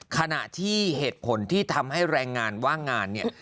ขณะที่เหตุผลที่ทำให้แรงงานว่างงานเนี่ย